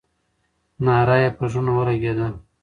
ناره یې پر زړونو ولګېده.